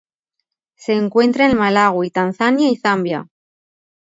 Se encuentra en Malaui Tanzania y Zambia.